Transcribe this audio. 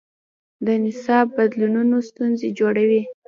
د نصاب بدلونونه ستونزې جوړوي.